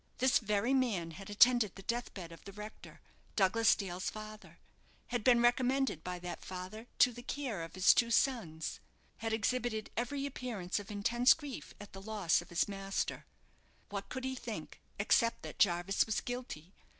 This very man had attended the deathbed of the rector Douglas Dale's father had been recommended by that father to the care of his two sons, had exhibited every appearance of intense grief at the loss of his master. What could he think, except that Jarvis was guilty?